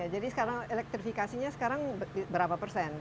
jadi sekarang elektrifikasinya berapa persen